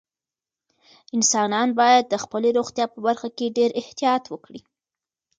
انسانان باید د خپلې روغتیا په برخه کې ډېر احتیاط وکړي.